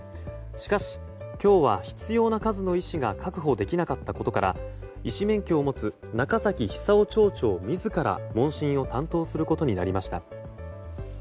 しかし、今日は必要な数の医師が確保できなかったことから医師免許を持つ中崎久雄町長自ら問診を担当することになりました。